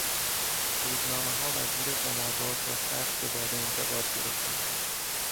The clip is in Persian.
روزنامهها وزیر قمار باز را سخت به باد انتقاد گرفتند.